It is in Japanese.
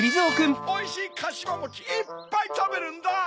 おいしいかしわもちいっぱいたべるんだ！